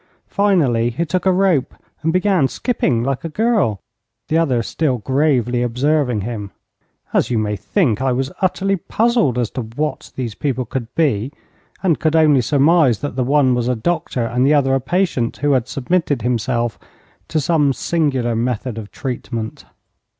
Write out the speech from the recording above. Finally he took a rope, and began skipping like a girl, the other still gravely observing him. As you may think, I was utterly puzzled as to what these people could be, and could only surmise that the one was a doctor, and the other a patient who had submitted himself to some singular method of treatment.